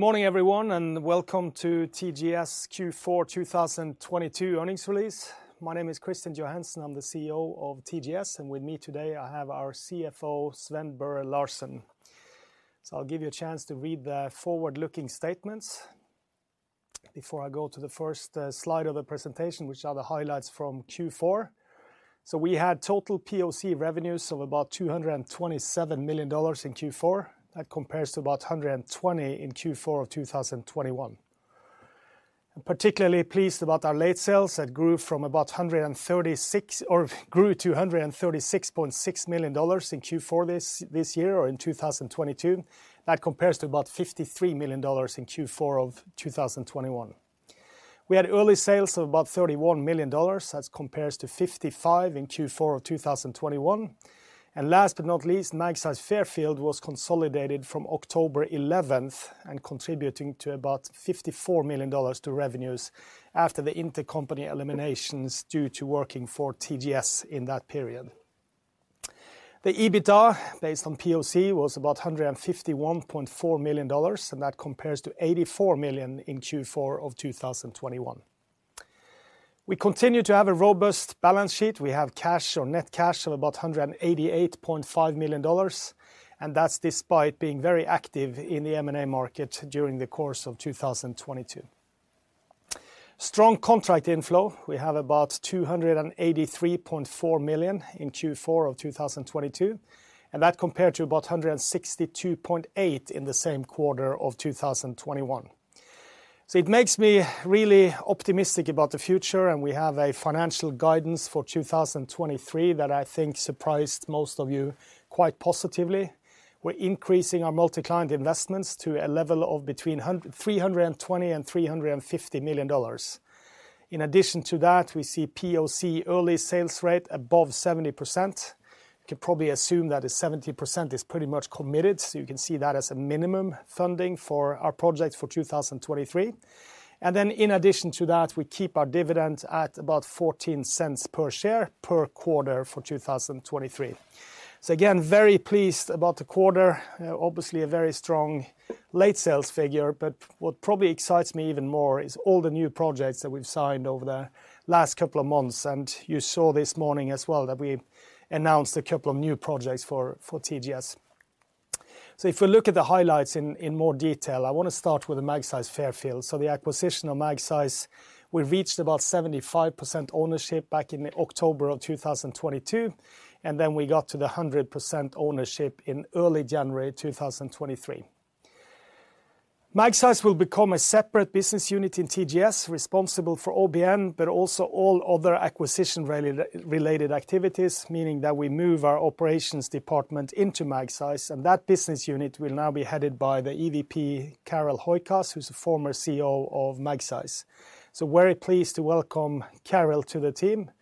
Good morning everyone and welcome to TGS Q4 2022 earnings release. My name is Kristian Johansen. I'm the CEO of TGS, and with me today I have our CFO, Sven Børre Larsen. I'll give you a chance to read the forward-looking statements before I go to the first slide of the presentation, which are the highlights from Q4. We had total POC revenues of about $227 million in Q4. That compares to about $120 million in Q4 of 2021. Particularly pleased about our late sales that grew to $136.6 million in Q4 this year or in 2022. That compares to about $53 million in Q4 of 2021. We had early sales of about $31 million. That compares to 55 in Q4 of 2021. Last but not least, Magseis Fairfield was consolidated from October 11th and contributing to about $54 million to revenues after the intercompany eliminations due to working for TGS in that period. The EBITDA based on POC was about $151.4 million. That compares to $84 million in Q4 of 2021. We continue to have a robust balance sheet. We have cash or net cash of about $188.5 million. That's despite being very active in the M&A market during the course of 2022. Strong contract inflow. We have about $283.4 million in Q4 of 2022. That compared to about $162.8 million in the same quarter of 2021. It makes me really optimistic about the future. We have a financial guidance for 2023 that I think surprised most of you quite positively. We're increasing our multi-client investments to a level of between $320 million-$350 million. In addition to that, we see POC early sales rate above 70%. You could probably assume that the 70% is pretty much committed, so you can see that as a minimum funding for our project for 2023. In addition to that, we keep our dividend at about $0.14 per share per quarter for 2023. Obviously a very strong late sales figure, but what probably excites me even more is all the new projects that we've signed over the last couple of months. You saw this morning as well that we announced a couple of new projects for TGS. If you look at the highlights in more detail, I wanna start with the Magseis Fairfield. The acquisition of Magseis, we reached about 75% ownership back in October of 2022, and then we got to the 100% ownership in early January 2023. Magseis will become a separate business unit in TGS responsible for OBN, but also all other acquisition-related activities, meaning that we move our operations department into Magseis, and that business unit will now be headed by the EVP, Carel Hooijkaas, who's the former CEO of Magseis. Very pleased to welcome Carel to the team,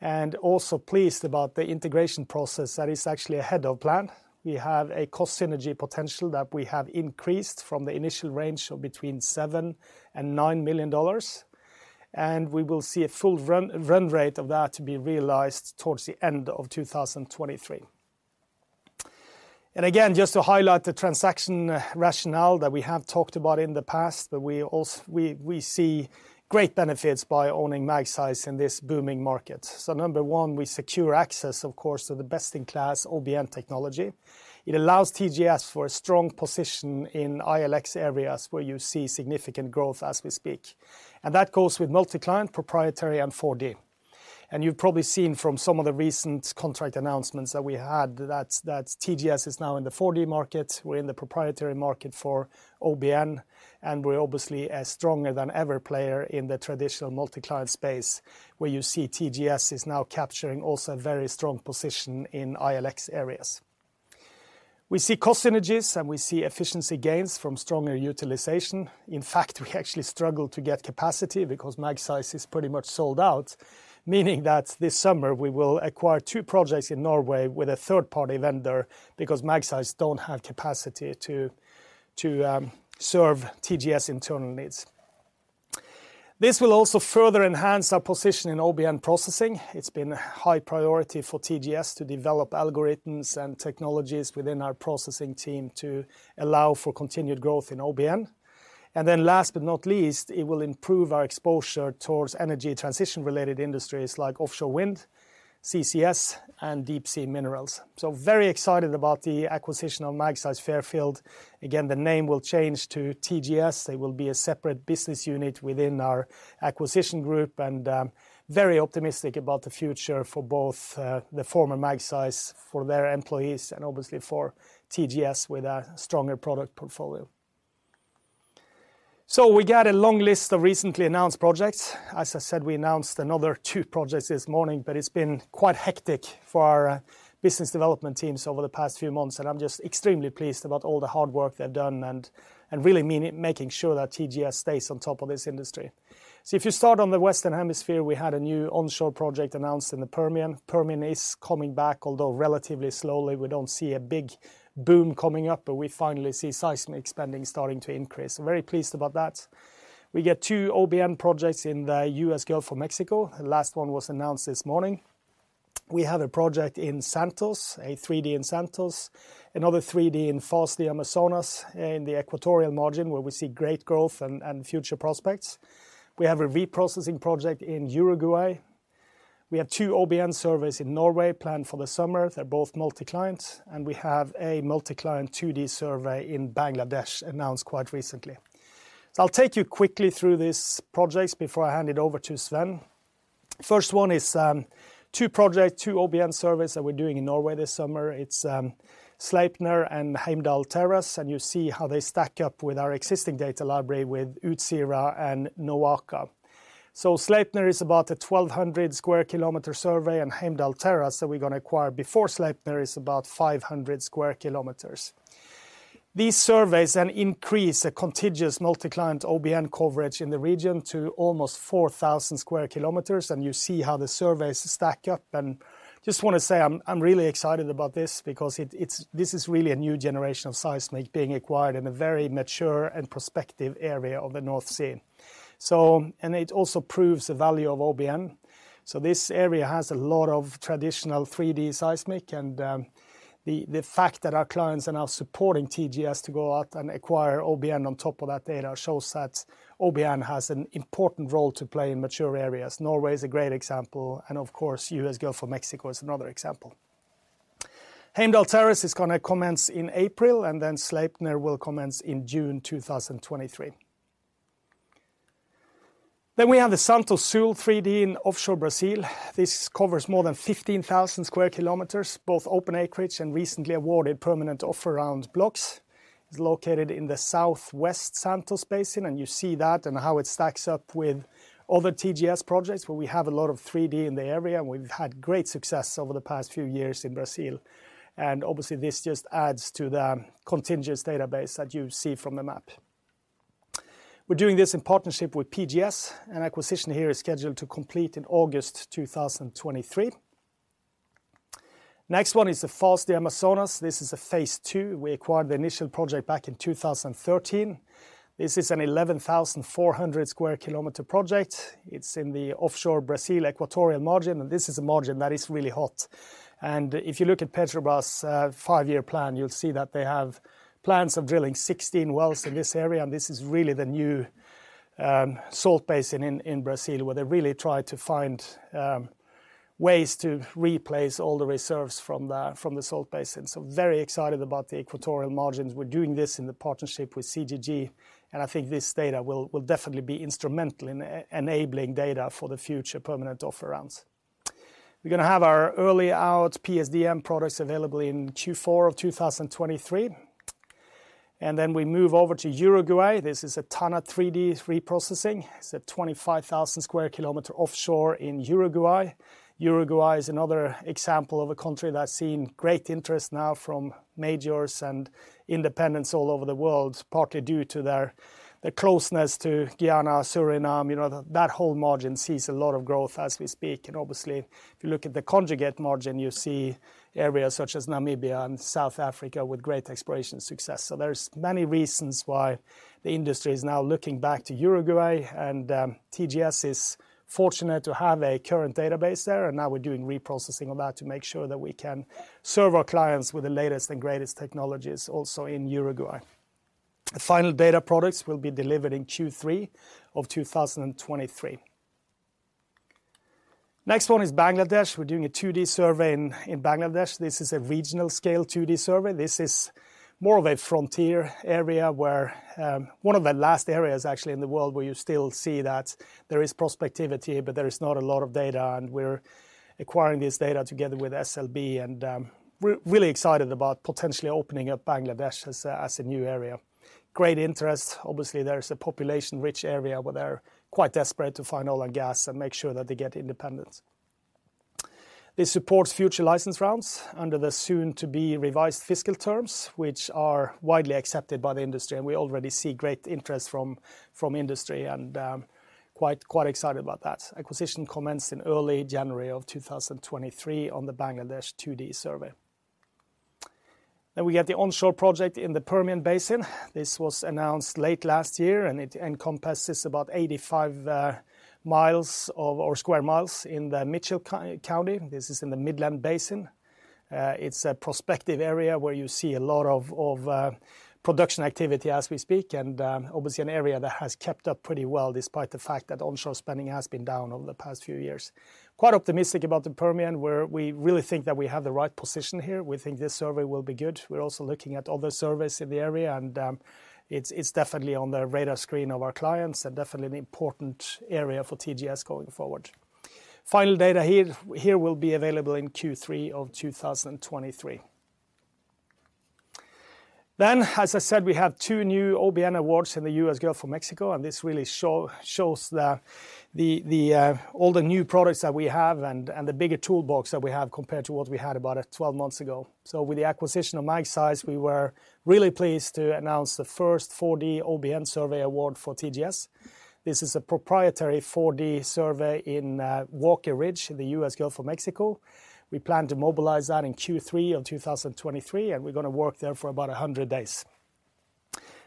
and also pleased about the integration process that is actually ahead of plan. We have a cost synergy potential that we have increased from the initial range of between $7 million and $9 million, and we will see a full run rate of that be realized towards the end of 2023. Again, just to highlight the transaction rationale that we have talked about in the past, but we also see great benefits by owning Magseis in this booming market. Number one, we secure access, of course, to the best-in-class OBN technology. It allows TGS for a strong position in ILX areas where you see significant growth as we speak. That goes with multi-client, proprietary, and 4D. You've probably seen from some of the recent contract announcements that we had that TGS is now in the 4D market. We're in the proprietary market for OBN, and we're obviously a stronger than ever player in the traditional multi-client space where you see TGS is now capturing also a very strong position in ILX areas. We see cost synergies, and we see efficiency gains from stronger utilization. In fact, we actually struggle to get capacity because Magseis is pretty much sold out, meaning that this summer we will acquire two projects in Norway with a third-party vendor because Magseis don't have capacity to serve TGS internal needs. This will also further enhance our position in OBN processing. It's been a high priority for TGS to develop algorithms and technologies within our processing team to allow for continued growth in OBN. Last but not least, it will improve our exposure towards energy transition-related industries like offshore wind, CCS, and deep sea minerals. Very excited about the acquisition of Magseis Fairfield. Again, the name will change to TGS. They will be a separate business unit within our acquisition group and very optimistic about the future for both the former Magseis, for their employees, and obviously for TGS with a stronger product portfolio. We got a long list of recently announced projects. As I said, we announced another two projects this morning, but it's been quite hectic for our business development teams over the past few months, and I'm just extremely pleased about all the hard work they've done and really making sure that TGS stays on top of this industry. If you start on the Western Hemisphere, we had a new onshore project announced in the Permian. Permian is coming back, although relatively slowly. We don't see a big boom coming up. We finally see seismic spending starting to increase. I'm very pleased about that. We get two OBN projects in the U.S. Gulf of Mexico. The last one was announced this morning. We have a project in Santos, a 3D in Santos, another 3D in Foz do Amazonas in the Equatorial Margin where we see great growth and future prospects. We have a reprocessing project in Uruguay. We have two OBN surveys in Norway planned for the summer. They're both multi-client, and we have a multi-client 2D survey in Bangladesh announced quite recently. I'll take you quickly through these projects before I hand it over to Sven. First one is two projects, two OBN surveys that we're doing in Norway this summer. It's Sleipner and Heimdall Terrace, you see how they stack up with our existing data library with Utsira and NOAKA. Sleipner is about a 1,200 sq km survey, and Heimdall Terrace that we're gonna acquire before Sleipner is about 500 sq km. These surveys then increase the contiguous multi-client OBN coverage in the region to almost 4,000 sq km, you see how the surveys stack up. Just wanna say I'm really excited about this because it's this is really a new generation of seismic being acquired in a very mature and prospective area of the North Sea. It also proves the value of OBN, so this area has a lot of traditional 3D seismic and the fact that our clients are now supporting TGS to go out and acquire OBN on top of that data shows that OBN has an important role to play in mature areas. Norway is a great example, of course, US Gulf of Mexico is another example. Heimdall Terrace is gonna commence in April, Sleipner will commence in June 2023. We have the Santos Sul 3D in offshore Brazil. This covers more than 15,000 sq km, both open acreage and recently awarded permanent offer round blocks. It's located in the southwest Santos Basin, and you see that and how it stacks up with other TGS projects where we have a lot of 3D in the area, and we've had great success over the past few years in Brazil. Obviously, this just adds to the contiguous database that you see from the map. We're doing this in partnership with PGS, and acquisition here is scheduled to complete in August 2023. Next one is the Foz do Amazonas. This is a phase II. We acquired the initial project back in 2013. This is an 11,400 sq km project. It's in the offshore Brazil Equatorial Margin, and this is a margin that is really hot. If you look at Petrobras', five-year plan, you'll see that they have plans of drilling 16 wells in this area, and this is really the new salt basin in Brazil where they really try to find ways to replace all the reserves from the salt basin. Very excited about the Equatorial Margin. We're doing this in the partnership with CGG, and I think this data will definitely be instrumental in enabling data for the future Permanent Offer Rounds. We're gonna have our early out PSDM products available in Q4 of 2023. Then we move over to Uruguay. This is a Tana 3D reprocessing. It's a 25,000 sq km offshore in Uruguay. Uruguay is another example of a country that's seen great interest now from majors and independents all over the world, partly due to their closeness to Guyana, Suriname. You know, that whole margin sees a lot of growth as we speak. Obviously, if you look at the conjugate margin, you see areas such as Namibia and South Africa with great exploration success. There's many reasons why the industry is now looking back to Uruguay, and TGS is fortunate to have a current database there, and now we're doing reprocessing of that to make sure that we can serve our clients with the latest and greatest technologies also in Uruguay. The final data products will be delivered in Q3 of 2023. Next one is Bangladesh. We're doing a 2D survey in Bangladesh. This is a regional scale 2D survey. This is more of a frontier area where one of the last areas actually in the world where you still see that there is prospectivity, but there is not a lot of data, and we're acquiring this data together with SLB. Really excited about potentially opening up Bangladesh as a new area. Great interest. Obviously, there is a population-rich area where they're quite desperate to find oil and gas and make sure that they get independence. This supports future license rounds under the soon-to-be revised fiscal terms, which are widely accepted by the industry, and we already see great interest from industry and quite excited about that. Acquisition commenced in early January of 2023 on the Bangladesh 2D survey. We get the onshore project in the Permian Basin. This was announced late last year. It encompasses about 85 sq mi in Mitchell County. This is in the Midland Basin. It's a prospective area where you see a lot of production activity as we speak and, obviously an area that has kept up pretty well despite the fact that onshore spending has been down over the past few years. Quite optimistic about the Permian where we really think that we have the right position here. We think this survey will be good. We're also looking at other surveys in the area and, it's definitely on the radar screen of our clients and definitely an important area for TGS going forward. Final data here will be available in Q3 of 2023. As I said, we have two new OBN awards in the U.S. Gulf of Mexico, and this really shows the all the new products that we have and the bigger toolbox that we have compared to what we had about 12 months ago. With the acquisition of Magseis, we were really pleased to announce the first 4D OBN survey award for TGS. This is a proprietary 4D survey in Walker Ridge in the U.S. Gulf of Mexico. We plan to mobilize that in Q3 of 2023, and we're gonna work there for about 100 days.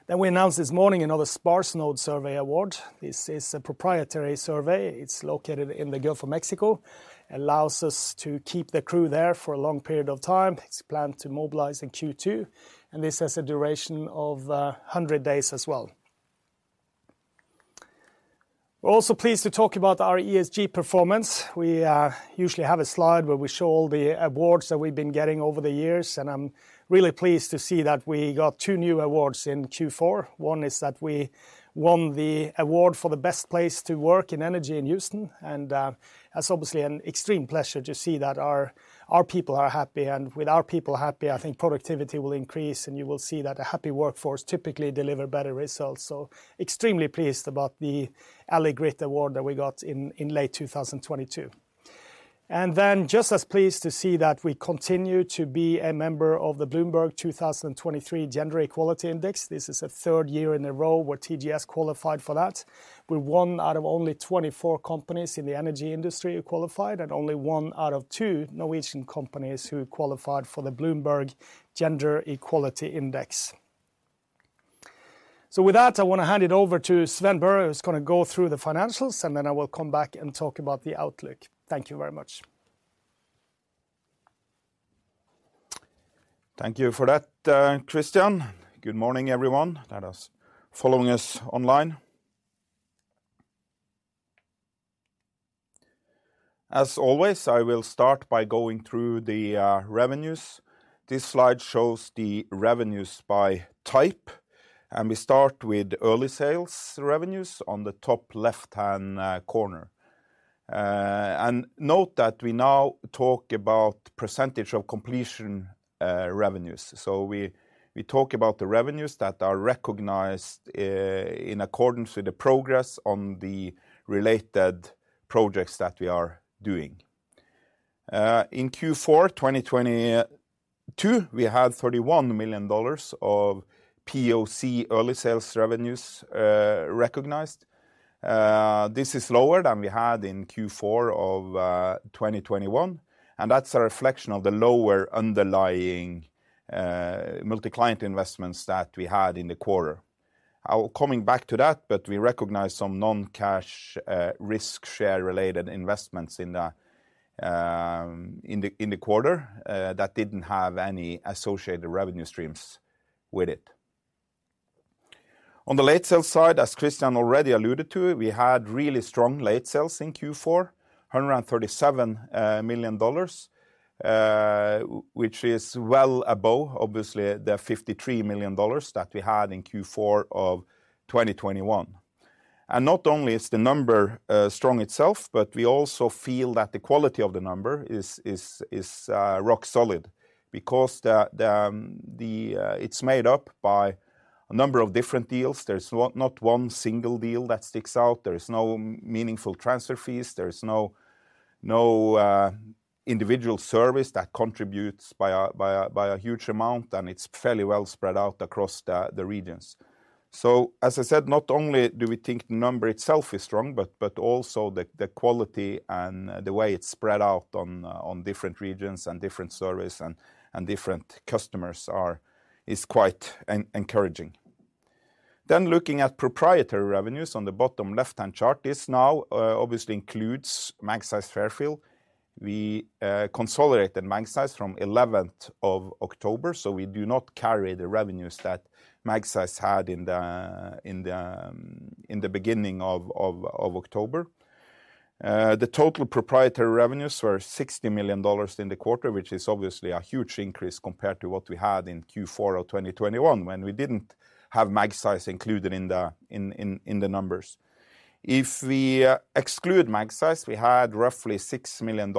We announced this morning another Sparse Node Survey award. This is a proprietary survey. It's located in the Gulf of Mexico. Allows us to keep the crew there for a long period of time. It's planned to mobilize in Q2, this has a duration of 100 days as well. We're also pleased to talk about our ESG performance. We usually have a slide where we show all the awards that we've been getting over the years, and I'm really pleased to see that we got two new awards in Q4. One is that we won the award for the best place to work in energy in Houston, and that's obviously an extreme pleasure to see that our people are happy. With our people happy, I think productivity will increase, and you will see that a happy workforce typically deliver better results. Extremely pleased about the Ally GRIT Award that we got in late 2022. Just as pleased to see that we continue to be a member of the Bloomberg 2023 Gender-Equality Index. This is a third year in a row where TGS qualified for that. We're one out of only 24 companies in the energy industry who qualified and only one out of two Norwegian companies who qualified for the Bloomberg Gender-Equality Index. With that, I wanna hand it over to Sven Børre, who's gonna go through the financials, and then I will come back and talk about the outlook. Thank you very much. Thank you for that, Kristian. Good morning, everyone that is following us online. As always, I will start by going through the revenues. This slide shows the revenues by type. We start with early sales revenues on the top left-hand corner. Note that we now talk about percentage of completion revenues. We talk about the revenues that are recognized in accordance with the progress on the related projects that we are doing. In Q4 2022, we had $31 million of POC early sales revenues recognized. This is lower than we had in Q4 of 2021, and that's a reflection of the lower underlying multi-client investments that we had in the quarter. I'll coming back to that, we recognize some non-cash, risk share related investments in the quarter that didn't have any associated revenue streams with it. On the late sales side, as Kristian already alluded to, we had really strong late sales in Q4, $137 million, which is well above obviously the $53 million that we had in Q4 of 2021. Not only is the number strong itself, but we also feel that the quality of the number is rock solid because the it's made up by a number of different deals. There's not one single deal that sticks out. There is no meaningful transfer fees. There is no individual service that contributes by a huge amount, and it's fairly well spread out across the regions. As I said, not only do we think the number itself is strong, but also the quality and the way it's spread out on different regions and different service and different customers is quite encouraging. Looking at proprietary revenues on the bottom left-hand chart, this now obviously includes Magseis Fairfield. We consolidated Magseis from 11th of October, so we do not carry the revenues that Magseis had in the beginning of October. The total proprietary revenues were $60 million in the quarter, which is obviously a huge increase compared to what we had in Q4 of 2021 when we didn't have Magseis included in the numbers. If we exclude Magseis, we had roughly $6 million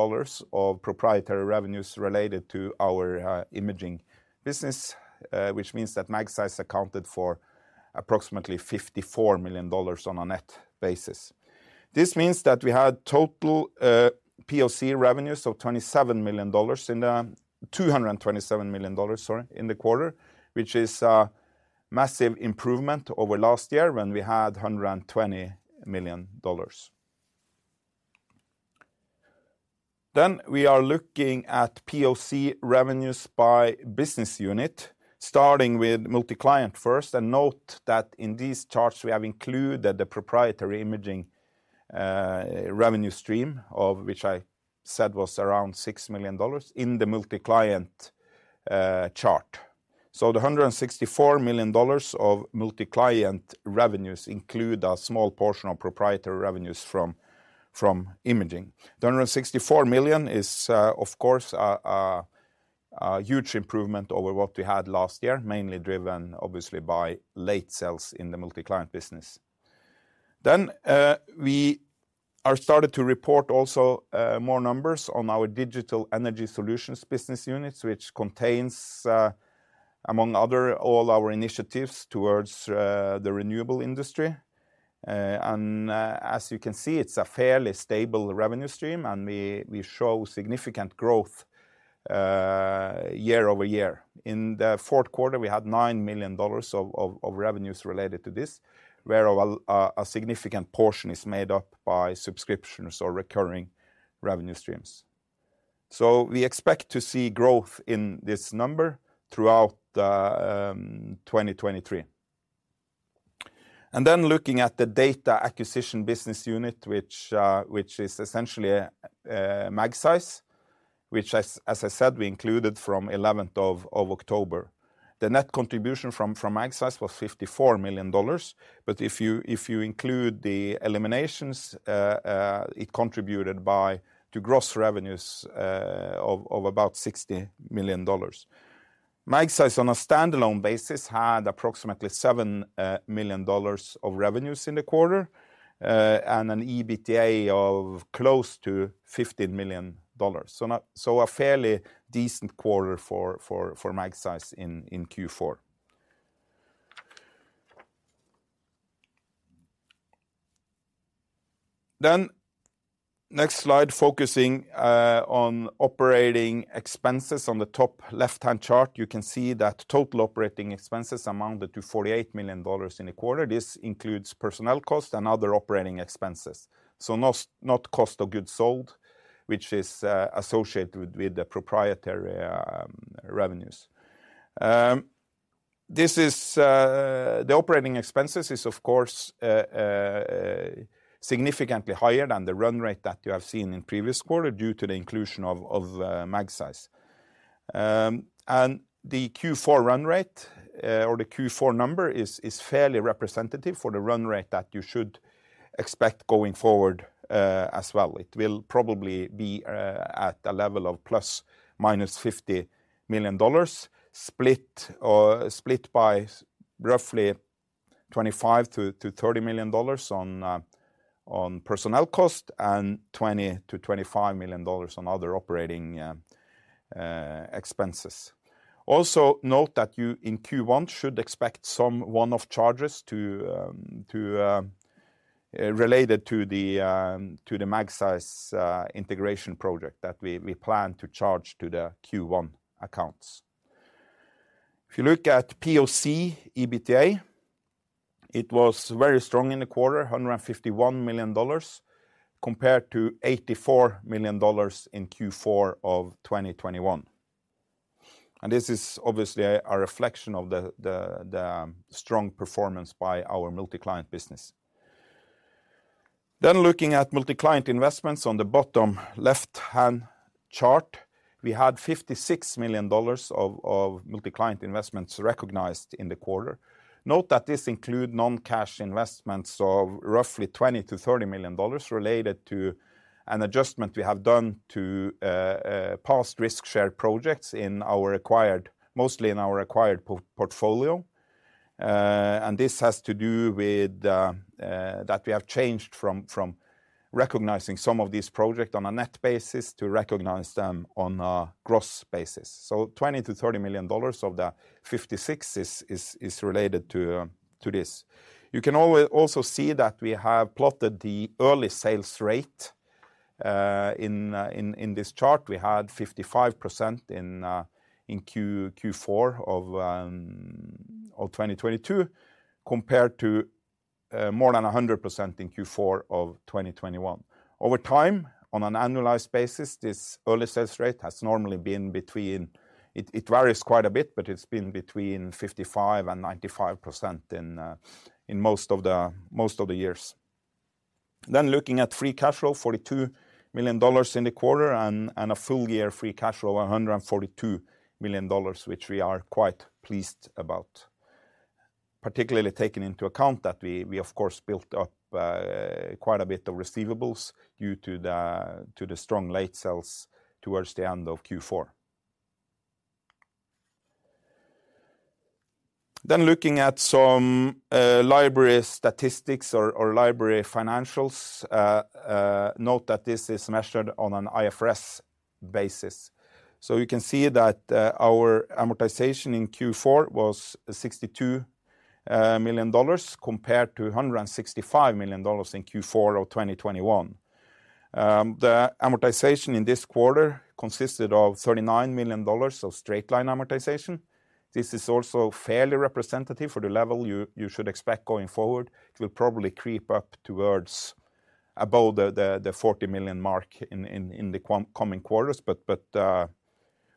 of proprietary revenues related to our imaging business, which means that Magseis accounted for approximately $54 million on a net basis. This means that we had total POC revenues of $227 million, sorry, in the quarter, which is a massive improvement over last year when we had $120 million. We are looking at POC revenues by business unit, starting with multi-client first. Note that in these charts, we have included the proprietary imaging revenue stream of which I said was around $6 million in the multi-client chart. The $164 million of multi-client revenues include a small portion of proprietary revenues from imaging. The $164 million is, of course, a huge improvement over what we had last year, mainly driven obviously by late sales in the multi-client business. We are started to report also more numbers on our Digital Energy Solutions business units, which contains among other, all our initiatives towards the renewable industry. As you can see, it's a fairly stable revenue stream, and we show significant growth year-over-year. In the fourth quarter, we had $9 million of revenues related to this, where a significant portion is made up by subscriptions or recurring revenue streams. We expect to see growth in this number throughout 2023. Looking at the data acquisition business unit which is essentially Magseis, which as I said, we included from eleventh of October. The net contribution from Magseis was $54 million, but if you include the eliminations, it contributed to gross revenues of about $60 million. Magseis on a standalone basis had approximately $7 million of revenues in the quarter and an EBITDA of close to $50 million. A fairly decent quarter for Magseis in Q4. Next slide, focusing on operating expenses. On the top left-hand chart, you can see that total operating expenses amounted to $48 million in the quarter. This includes personnel costs and other operating expenses. Not cost of goods sold, which is associated with the proprietary revenues. This is the operating expenses is of course significantly higher than the run rate that you have seen in previous quarter due to the inclusion of Magseis. The Q4 run rate or the Q4 number is fairly representative for the run rate that you should expect going forward as well. It will probably be at a level of ±$50 million, split by roughly $25 million-$30 million on personnel cost and $20 million-$25 million on other operating expenses. Also note that you, in Q1 should expect some one-off charges related to the Magseis integration project that we plan to charge to the Q1 accounts. If you look at POC EBITDA, it was very strong in the quarter, $151 million compared to $84 million in Q4 of 2021. This is obviously a reflection of the strong performance by our MultiClient business. Looking at MultiClient investments on the bottom left-hand chart, we had $56 million of MultiClient investments recognized in the quarter. Note that this include non-cash investments of roughly $20 million-$30 million related to an adjustment we have done to past risk-shared projects in our acquired, mostly in our acquired portfolio. This has to do with that we have changed from recognizing some of these projects on a net basis to recognize them on a gross basis. $20 million-$30 million of the 56 is related to this. You can also see that we have plotted the early sales rate in this chart. We had 55% in Q4 of 2022 compared to more than 100% in Q4 of 2021. Over time, on an annualized basis, this early sales rate has normally been between. It varies quite a bit, but it's been between 55% and 95% in most of the years. Looking at free cash flow, $42 million in the quarter and a full year free cash flow of $142 million, which we are quite pleased about. Particularly taking into account that we of course built up quite a bit of receivables due to the strong late sales towards the end of Q4. Looking at some library statistics or library financials, note that this is measured on an IFRS basis. You can see that our amortization in Q4 was $62 million compared to $165 million in Q4 of 2021. The amortization in this quarter consisted of $39 million of straight-line amortization. This is also fairly representative for the level you should expect going forward. It will probably creep up towards above the $40 million mark in the coming quarters, but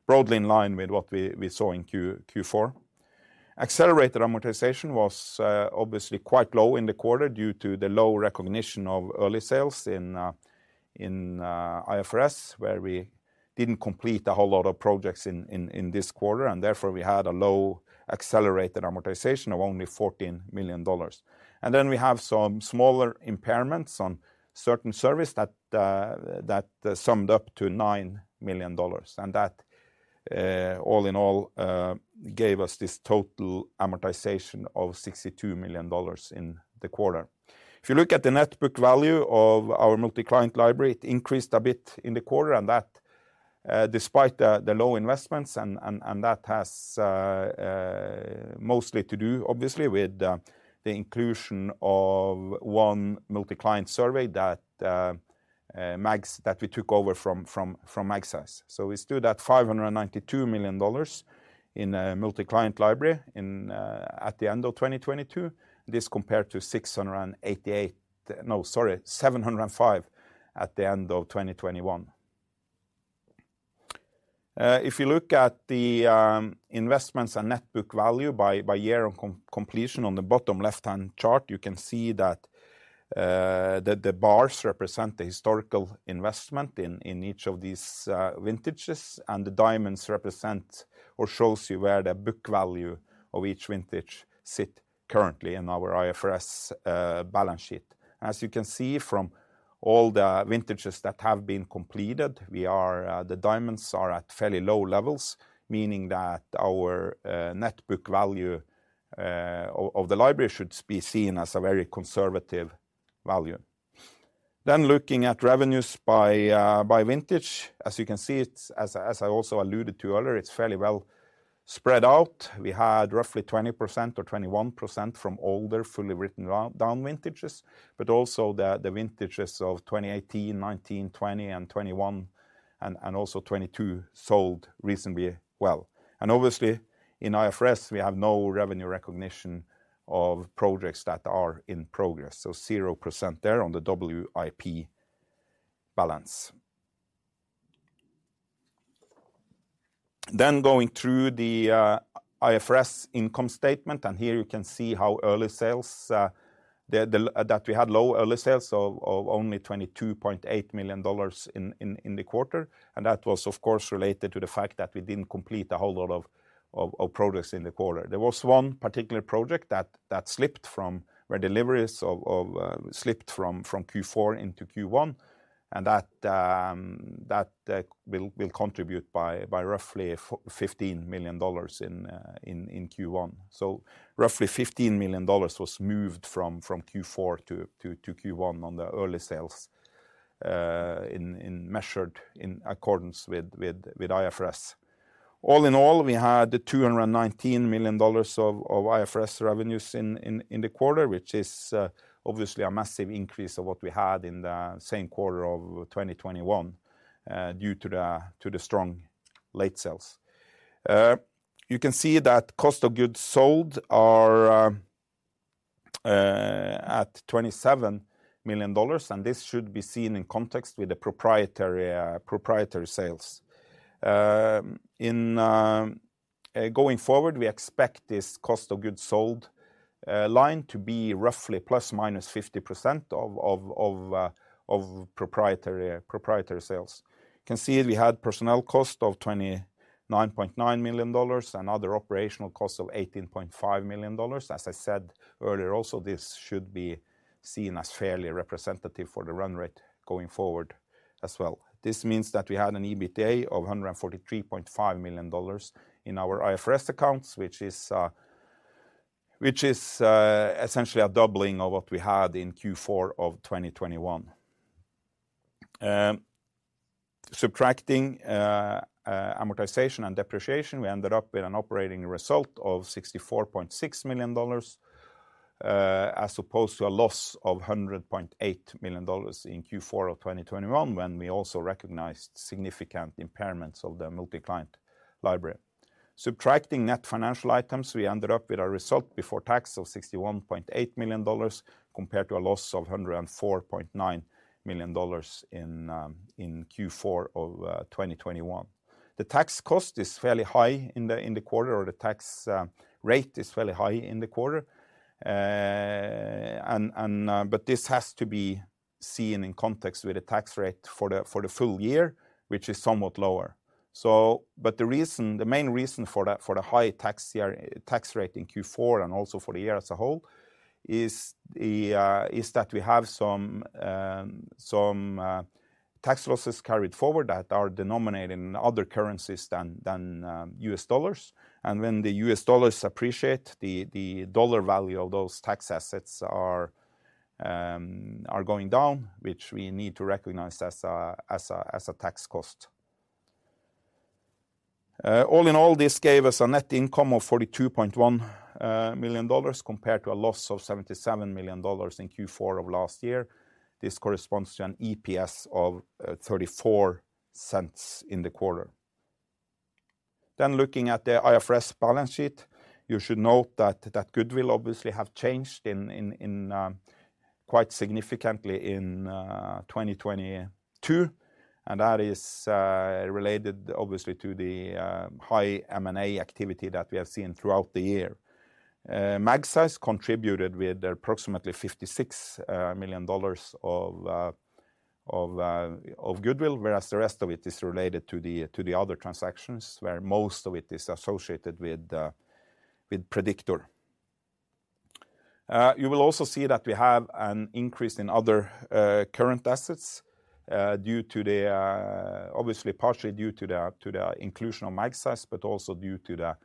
broadly in line with what we saw in Q4. Accelerated amortization was obviously quite low in the quarter due to the low recognition of early sales in IFRS, where we didn't complete a whole lot of projects in this quarter, therefore we had a low accelerated amortization of only $14 million. Then we have some smaller impairments on certain service that summed up to $9 million. That all in all gave us this total amortization of $62 million in the quarter. If you look at the net book value of our MultiClient library, it increased a bit in the quarter, and that despite the low investments and that has mostly to do obviously with the inclusion of one MultiClient survey that we took over from Magseis. We stood at $592 million in the MultiClient library at the end of 2022. Compared to $688 million. Sorry, $705 million at the end of 2021. If you look at the investments and net book value by year on completion on the bottom left-hand chart, you can see that the bars represent the historical investment in each of these vintages, and the diamonds represent or shows you where the book value of each vintage sit currently in our IFRS balance sheet. As you can see from all the vintages that have been completed, we are the diamonds are at fairly low levels, meaning that our net book value of the library should be seen as a very conservative value. Looking at revenues by vintage, as you can see, it's as I also alluded to earlier, it's fairly well spread out. We had roughly 20% or 21% from older, fully written down vintages, but also the vintages of 2018, 2019, 2020 and 2021 and also 2022 sold reasonably well. Obviously in IFRS we have no revenue recognition of projects that are in progress, so 0% there on the WIP balance. Going through the IFRS income statement, here you can see how early sales that we had low early sales of only $22.8 million in the quarter. That was of course related to the fact that we didn't complete a whole lot of projects in the quarter. There was one particular project that slipped from where deliveries slipped from Q4 into Q1 and that will contribute by roughly $15 million in Q1. Roughly $15 million was moved from Q4 to Q1 on the early sales in measured in accordance with IFRS. All in all, we had $219 million of IFRS revenues in the quarter, which is obviously a massive increase of what we had in the same quarter of 2021 due to the strong late sales. You can see that cost of goods sold are at $27 million. This should be seen in context with the proprietary sales. In going forward, we expect this cost of goods sold line to be roughly plus or minus 50% of proprietary sales. You can see we had personnel cost of $29.9 million and other operational costs of $18.5 million. As I said earlier, also, this should be seen as fairly representative for the run rate going forward as well. This means that we had an EBITDA of $143.5 million in our IFRS accounts, which is essentially a doubling of what we had in Q4 of 2021. Subtracting amortization and depreciation, we ended up with an operating result of $64.6 million as opposed to a loss of $100.8 million in Q4 of 2021, when we also recognized significant impairments of the multi-client library. Subtracting net financial items, we ended up with a result before tax of $61.8 million compared to a loss of $104.9 million in Q4 of 2021. The tax cost is fairly high in the quarter, or the tax rate is fairly high in the quarter. This has to be seen in context with the tax rate for the full year, which is somewhat lower. The reason, the main reason for the high tax year, tax rate in Q4 and also for the year as a whole, is that we have some tax losses carried forward that are denominated in other currencies than U.S. dollars. When the U.S. dollars appreciate, the dollar value of those tax assets are going down, which we need to recognize as a tax cost. All in all, this gave us a net income of $42.1 million compared to a loss of $77 million in Q4 of last year. This corresponds to an EPS of $0.34 in the quarter. Looking at the IFRS balance sheet, you should note that goodwill obviously have changed in quite significantly in 2022. That is related obviously to the high M&A activity that we have seen throughout the year. Magseis contributed with approximately $56 million of goodwill, whereas the rest of it is related to the other transactions where most of it is associated with Prediktor. You will also see that we have an increase in other current assets due to the obviously partially due to the inclusion of Magseis, but also due to the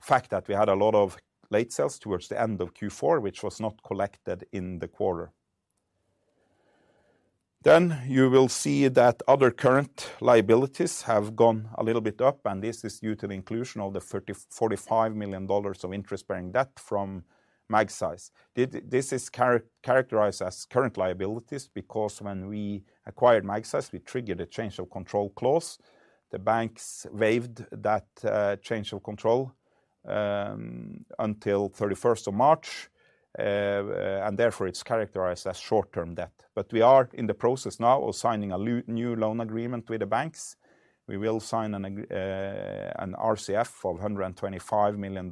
fact that we had a lot of late sales towards the end of Q4, which was not collected in the quarter. You will see that other current liabilities have gone a little bit up, and this is due to the inclusion of the $45 million of interest-bearing debt from Magseis. This is characterized as current liabilities because when we acquired Magseis, we triggered a change of control clause. The banks waived that change of control until 31st of March. Therefore it's characterized as short-term debt. We are in the process now of signing a new loan agreement with the banks. We will sign an RCF of $125 million.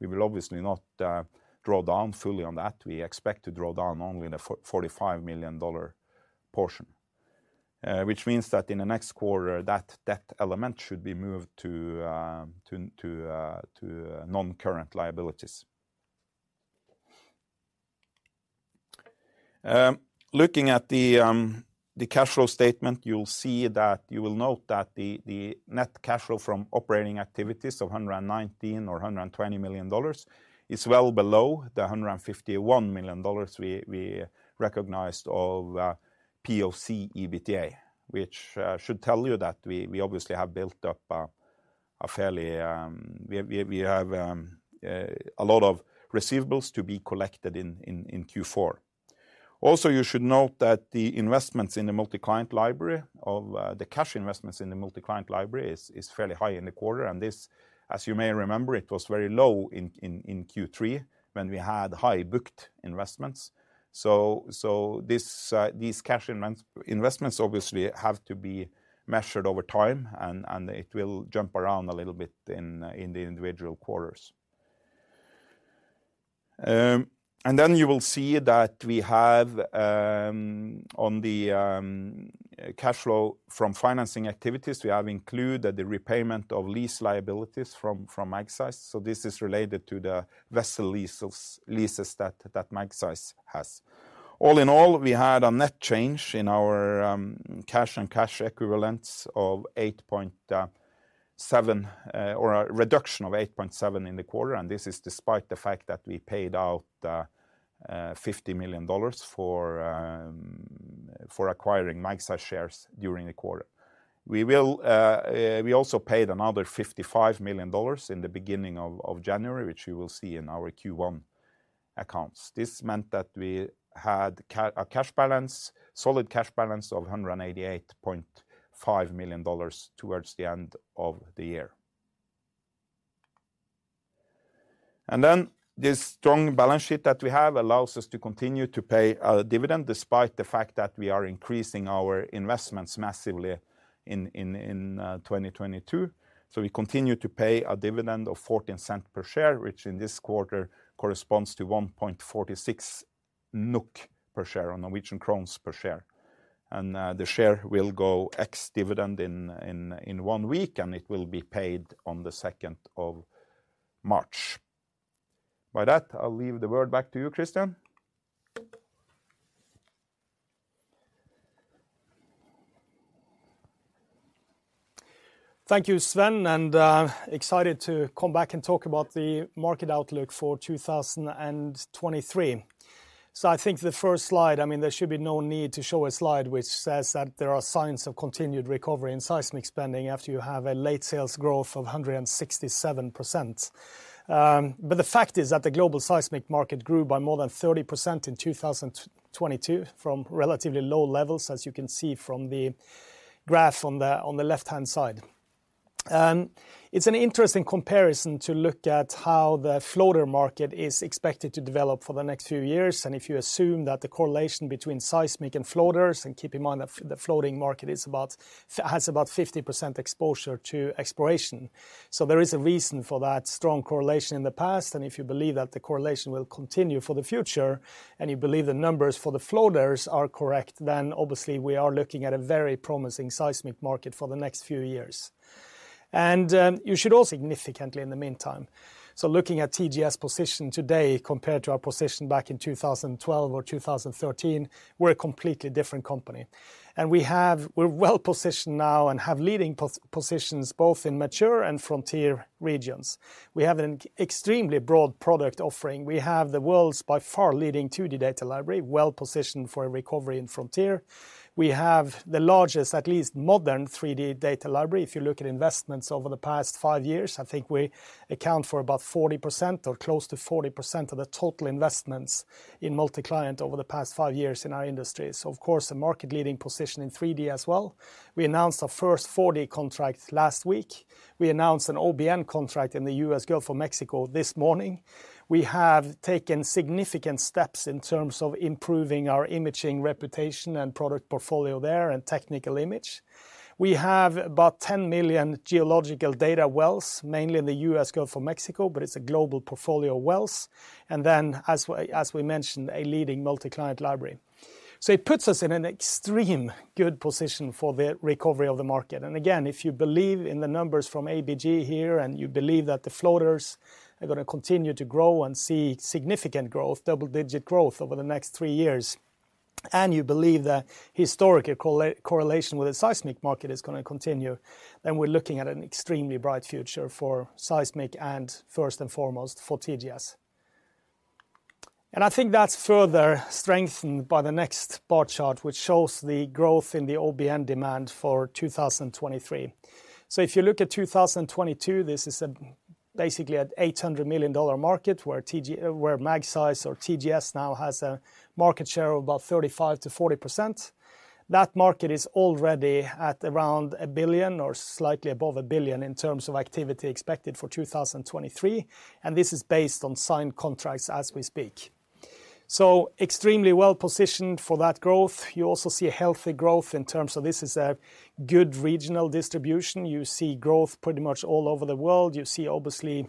We will obviously not draw down fully on that. We expect to draw down only the $45 million portion. Which means that in the next quarter, that element should be moved to non-current liabilities. Looking at the cash flow statement, You will note that the net cash flow from operating activities of $119 million or $120 million is well below the $151 million we recognized of POC EBITDA, which should tell you that we obviously have built up a fairly. We have a lot of receivables to be collected in Q4. You should note that the investments in the multi-client library of the cash investments in the multi-client library is fairly high in the quarter, and this, as you may remember, it was very low in Q3 when we had high booked investments. These cash investments obviously have to be measured over time and it will jump around a little bit in the individual quarters. You will see that we have on the cash flow from financing activities, we have included the repayment of lease liabilities from Magseis. This is related to the vessel leases that Magseis has. All in all, we had a net change in our cash and cash equivalents of $8.7, or a reduction of $8.7 in the quarter, and this is despite the fact that we paid out $50 million for acquiring Magseis shares during the quarter. We will, we also paid another $55 million in the beginning of January, which you will see in our Q1 accounts. This meant that we had a cash balance, solid cash balance of $188.5 million towards the end of the year. This strong balance sheet that we have allows us to continue to pay a dividend despite the fact that we are increasing our investments massively in 2022. We continue to pay a dividend of $0.14 per share, which in this quarter corresponds to 1.46 NOK per share or Norwegian kroner per share. The share will go ex-dividend in 1 week, and it will be paid on the 2nd of March. By that, I'll leave the word back to you, Kristian. Thank you, Sven, excited to come back and talk about the market outlook for 2023. I think the first slide, I mean, there should be no need to show a slide which says that there are signs of continued recovery in seismic spending after you have a late sales growth of 167%. The fact is that the global seismic market grew by more than 30% in 2022 from relatively low levels, as you can see from the graph on the left-hand side. It's an interesting comparison to look at how the floater market is expected to develop for the next few years. If you assume that the correlation between seismic and floaters, and keep in mind that the floating market has about 50% exposure to exploration. There is a reason for that strong correlation in the past, and if you believe that the correlation will continue for the future and you believe the numbers for the floaters are correct, then obviously we are looking at a very promising seismic market for the next few years. You should also significantly in the meantime. Looking at TGS position today compared to our position back in 2012 or 2013, we're a completely different company. We're well positioned now and have leading positions both in mature and frontier regions. We have an extremely broad product offering. We have the world's by far leading 2D data library, well-positioned for a recovery in frontier. We have the largest, at least modern, 3D data library. If you look at investments over the past five years, I think we account for about 40% or close to 40% of the total investments in multi-client over the past five years in our industry. Of course, a market-leading position in 3D as well. We announced our first 4D contract last week. We announced an OBN contract in the U.S. Gulf of Mexico this morning. We have taken significant steps in terms of improving our imaging reputation and product portfolio there and technical image. We have about 10 million geological data wells, mainly in the U.S. Gulf of Mexico, but it's a global portfolio of wells, and as we mentioned, a leading multi-client library. It puts us in an extreme good position for the recovery of the market. Again, if you believe in the numbers from ABG here, and you believe that the floaters are going to continue to grow and see significant growth, double-digit growth over the next three years, and you believe the historic correlation with the seismic market is going to continue, then we're looking at an extremely bright future for seismic and first and foremost for TGS. I think that's further strengthened by the next bar chart, which shows the growth in the OBN demand for 2023. If you look at 2022, this is a, basically an $800 million market where Magseis or TGS now has a market share of about 35%-40%. That market is already at around $1 billion or slightly above $1 billion in terms of activity expected for 2023. This is based on signed contracts as we speak. Extremely well positioned for that growth. You also see a healthy growth in terms of this is a good regional distribution. You see growth pretty much all over the world. You see obviously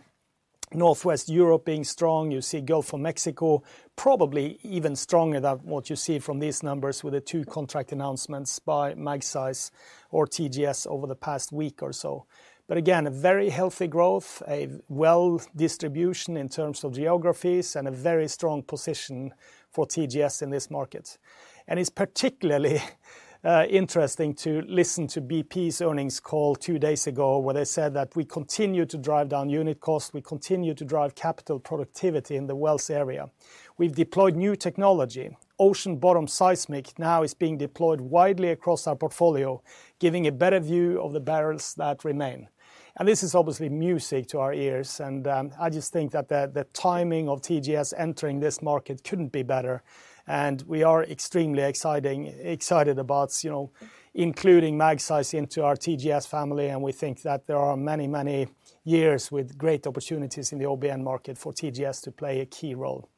Northwest Europe being strong. You see Gulf of Mexico probably even stronger than what you see from these numbers with the two contract announcements by Magseis or TGS over the past week or so. Again, a very healthy growth, a well distribution in terms of geographies, and a very strong position for TGS in this market. It's particularly interesting to listen to BP's earnings call two days ago, where they said that we continue to drive down unit costs, we continue to drive capital productivity in the wells area. We've deployed new technology. Ocean bottom seismic now is being deployed widely across our portfolio, giving a better view of the barrels that remain. This is obviously music to our ears, and I just think that the timing of TGS entering this market couldn't be better. We are extremely excited about, you know, including Magseis into our TGS family, and we think that there are many, many years with great opportunities in the OBN market for TGS to play a key role.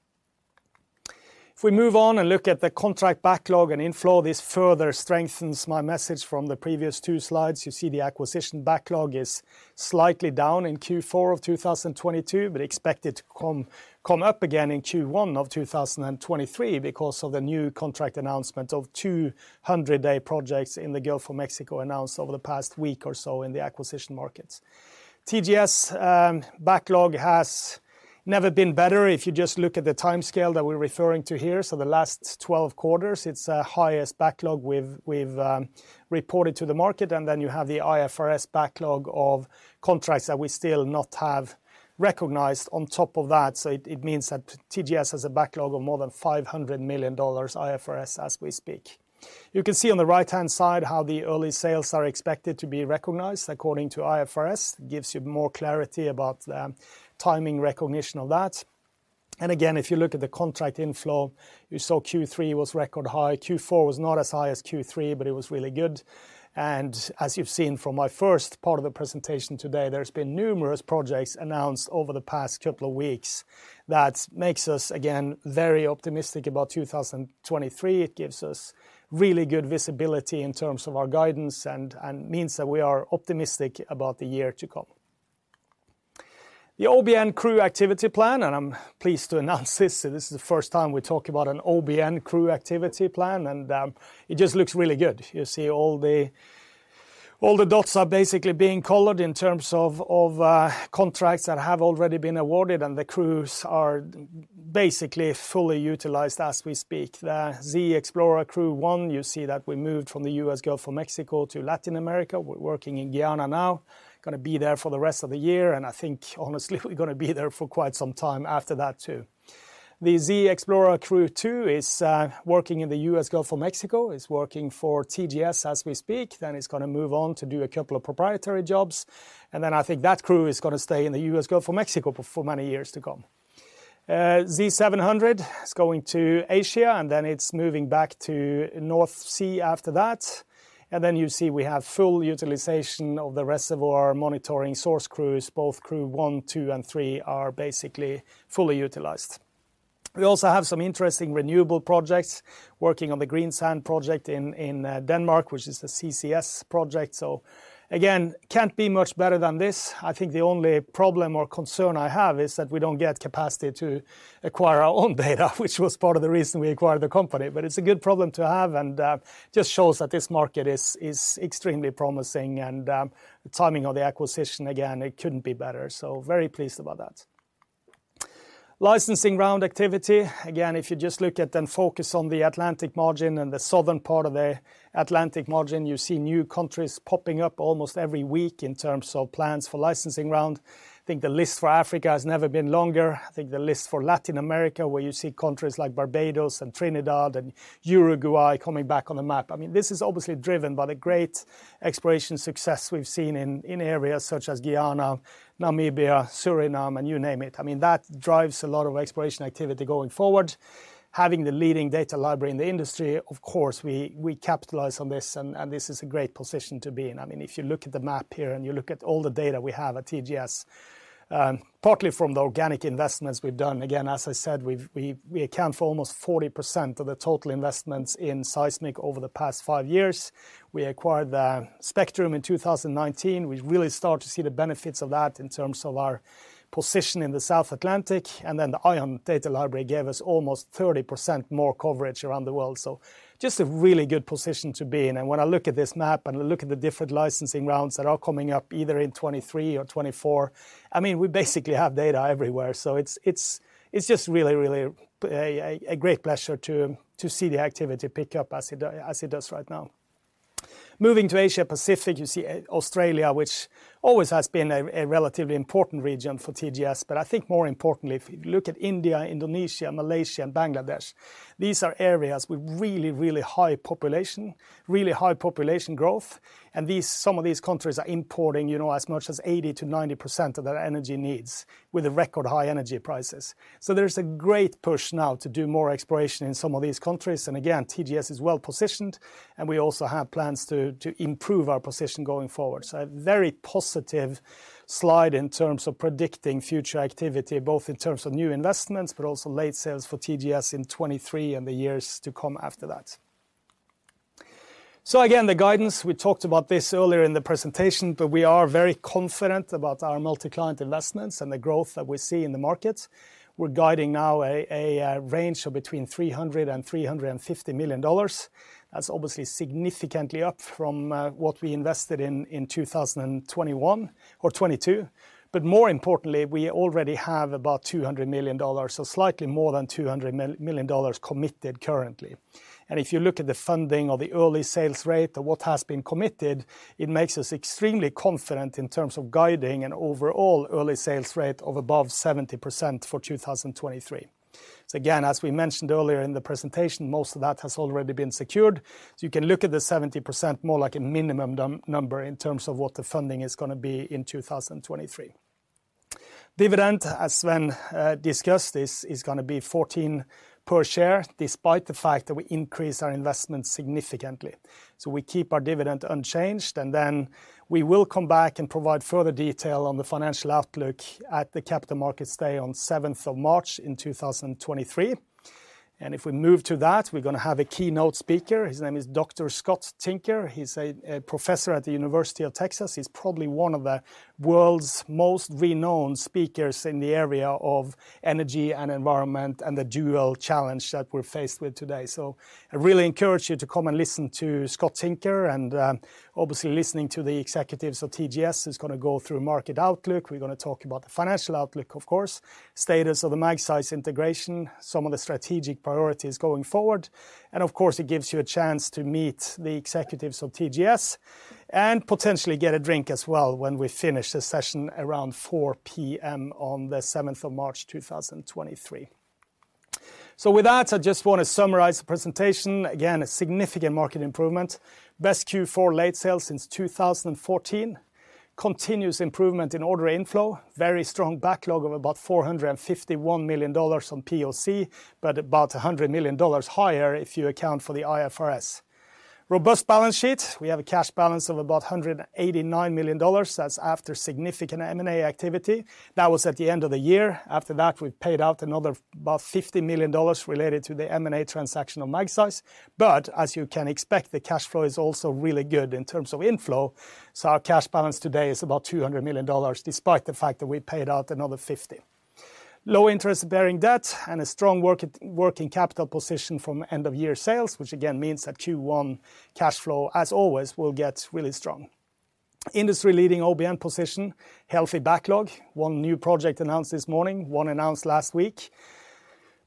If we move on and look at the contract backlog and inflow, this further strengthens my message from the previous two slides. You see the acquisition backlog is slightly down in Q4 of 2022, but expect it to come up again in Q1 of 2023 because of the new contract announcement of 200-day projects in the Gulf of Mexico announced over the past week or so in the acquisition markets. TGS backlog has never been better. If you just look at the timescale that we're referring to here, so the last 12 quarters, it's a highest backlog we've reported to the market, and then you have the IFRS backlog of contracts that we still not have recognized on top of that. It means that TGS has a backlog of more than $500 million IFRS as we speak. You can see on the right-hand side how the early sales are expected to be recognized according to IFRS. Gives you more clarity about timing recognition of that. Again, if you look at the contract inflow, you saw Q3 was record high. Q4 was not as high as Q3, but it was really good. As you've seen from my first part of the presentation today, there's been numerous projects announced over the past couple of weeks that makes us, again, very optimistic about 2023. It gives us really good visibility in terms of our guidance and means that we are optimistic about the year to come. The OBN crew activity plan, and I'm pleased to announce this is the first time we talk about an OBN crew activity plan, and it just looks really good. You see all the dots are basically being colored in terms of contracts that have already been awarded and the crews are basically fully utilized as we speak. The Z Explorer Crew One, you see that we moved from the U.S. Gulf of Mexico to Latin America. We're working in Guyana now. Gonna be there for the rest of the year. I think honestly we're gonna be there for quite some time after that too. The Z Explorer Crew Two is working in the U.S. Gulf of Mexico. It's working for TGS as we speak. It's gonna move on to do a couple of proprietary jobs. I think that crew is gonna stay in the US Gulf of Mexico for many years to come. Z700 is going to Asia, it's moving back to North Sea after that. You see we have full utilization of the reservoir monitoring source crews. Both Crew one, two, and three are basically fully utilized. We also have some interesting renewable projects working on the Greensand project in Denmark, which is the CCS project. Again, can't be much better than this. I think the only problem or concern I have is that we don't get capacity to acquire our own data which was part of the reason we acquired the company. It's a good problem to have, and just shows that this market is extremely promising and the timing of the acquisition, again, it couldn't be better. Very pleased about that. Licensing round activity. Again, if you just look at and focus on the Atlantic Margin and the southern part of the Atlantic Margin, you see new countries popping up almost every week in terms of plans for licensing round. I think the list for Africa has never been longer. I think the list for Latin America, where you see countries like Barbados and Trinidad and Uruguay coming back on the map. I mean, this is obviously driven by the great exploration success we've seen in areas such as Guyana, Namibia, Suriname, and you name it. I mean, that drives a lot of exploration activity going forward. Having the leading data library in the industry, of course, we capitalize on this and this is a great position to be in. I mean, if you look at the map here and you look at all the data we have at TGS, partly from the organic investments we've done, again, as I said, we account for almost 40% of the total investments in seismic over the past five years. We acquired the Spectrum in 2019. We really start to see the benefits of that in terms of our position in the South Atlantic. The ION data library gave us almost 30% more coverage around the world. Just a really good position to be in. When I look at this map and look at the different licensing rounds that are coming up either in 2023 or 2024, I mean, we basically have data everywhere. It's just really a great pleasure to see the activity pick up as it does right now. Moving to Asia Pacific, you see Australia, which always has been a relatively important region for TGS. I think more importantly, if you look at India, Indonesia, Malaysia, and Bangladesh, these are areas with really high population, really high population growth. Some of these countries are importing, you know, as much as 80%-90% of their energy needs with the record high energy prices. There's a great push now to do more exploration in some of these countries. Again, TGS is well positioned, and we also have plans to improve our position going forward. A very positive slide in terms of predicting future activity, both in terms of new investments, but also late sales for TGS in 2023 and the years to come after that. Again, the guidance, we talked about this earlier in the presentation, but we are very confident about our multi-client investments and the growth that we see in the market. We're guiding now a range of between $300 million-$350 million. That's obviously significantly up from what we invested in 2021 or 2022. But more importantly, we already have about $200 million, so slightly more than $200 million committed currently. If you look at the funding of the early sales rate of what has been committed, it makes us extremely confident in terms of guiding an overall early sales rate of above 70% for 2023. Again, as we mentioned earlier in the presentation, most of that has already been secured. You can look at the 70% more like a minimum number in terms of what the funding is gonna be in 2023. Dividend, as Sven Børre discussed, is gonna be 14 NOK per share, despite the fact that we increased our investment significantly. We keep our dividend unchanged, and then we will come back and provide further detail on the financial outlook at the Capital Markets Day on 7th of March in 2023. If we move to that, we're gonna have a keynote speaker. His name is Dr. Scott Tinker. He's a professor at the University of Texas. He's probably one of the world's most renowned speakers in the area of energy and environment, and the dual challenge that we're faced with today. I really encourage you to come and listen to Scott Tinker and obviously listening to the executives of TGS who's going to go through market outlook. We're going to talk about the financial outlook, of course, status of the Magseis integration, some of the strategic priorities going forward, and of course, it gives you a chance to meet the executives of TGS, and potentially get a drink as well when we finish the session around 4:00 P.M. on the 7th of March, 2023. With that, I just want to summarize the presentation. Again, a significant market improvement. Best Q4 late sales since 2014. Continuous improvement in order inflow. Very strong backlog of about $451 million on POC, but about $100 million higher if you account for the IFRS. Robust balance sheet. We have a cash balance of about $189 million. That's after significant M&A activity. That was at the end of the year. After that, we paid out another about $50 million related to the M&A transaction of Magseis. As you can expect, the cash flow is also really good in terms of inflow, so our cash balance today is about $200 million, despite the fact that we paid out another $50 million. Low interest-bearing debt and a strong working capital position from end of year sales, which again means that Q1 cash flow, as always, will get really strong. Industry-leading OBN position, healthy backlog, one new project announced this morning, one announced last week.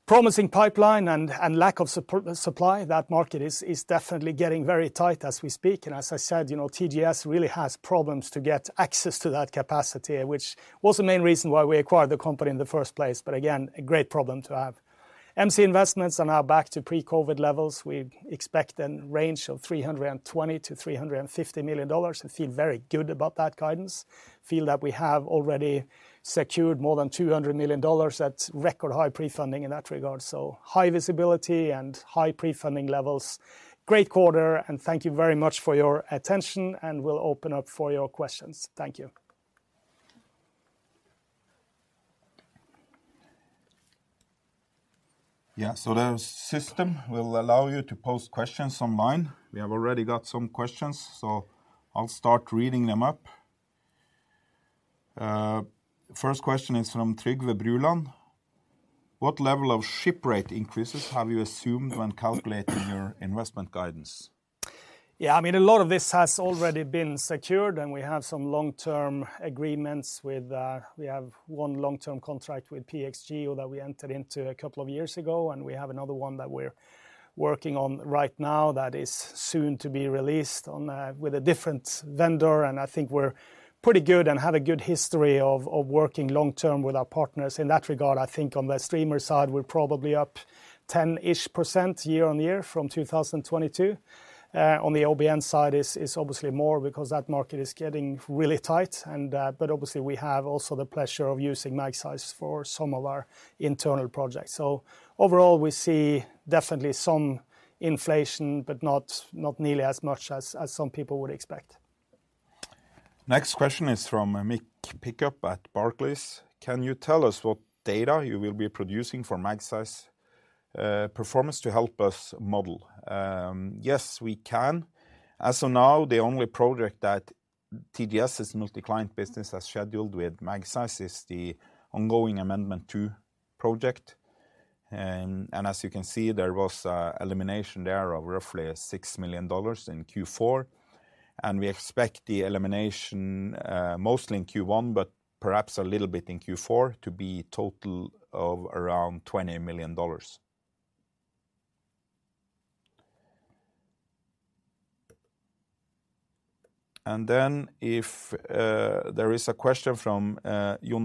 Promising pipeline and lack of supply. That market is definitely getting very tight as we speak. As I said, you know, TGS really has problems to get access to that capacity, which was the main reason why we acquired the company in the first place. Again, a great problem to have. MC investments are now back to pre-COVID levels. We expect a range of $320 million-$350 million and feel very good about that guidance. Feel that we have already secured more than $200 million. That's record high pre-funding in that regard. High visibility and high pre-funding levels. Great quarter, and thank you very much for your attention, and we'll open up for your questions. Thank you. Yeah. The system will allow you to pose questions online. We have already got some questions, I'll start reading them up. First question is from Trygve Brylland: What level of ship rate increases have you assumed when calculating your investment guidance? Yeah. I mean, a lot of this has already been secured. We have some long-term agreements with, we have one long-term contract with PXGEO that we entered into a couple of years ago. We have another one that we're working on right now that is soon to be released with a different vendor. I think we're pretty good and have a good history of working long-term with our partners. In that regard, I think on the streamer side, we're probably up 10-ish% year-on-year from 2022. On the OBN side is obviously more because that market is getting really tight, obviously we have also the pleasure of using Magseis for some of our internal projects. Overall, we see definitely some inflation, but not nearly as much as some people would expect. Next question is from Mick Pickup at Barclays: Can you tell us what data you will be producing for Magseis performance to help us model? Yes, we can. As of now, the only project that TGS' multi-client business has scheduled with Magseis is the ongoing Amendment two project. As you can see, there was elimination there of roughly $6 million in Q4, and we expect the elimination, mostly in Q1, but perhaps a little bit in Q4, to be total of around $20 million. There is a question from Jonas